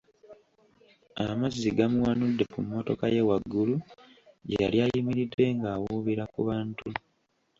Amazzi gamuwanudde ku mmotoka ye waggulu gye yali ayimiridde ng'awuubira ku bantu.